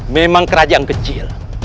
memang kerajaan kecil